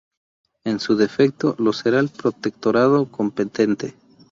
En su defecto, lo será el protectorado competente.